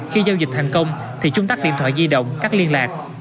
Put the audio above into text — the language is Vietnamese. khi giao dịch thành công thì chúng tắt điện thoại di động cắt liên lạc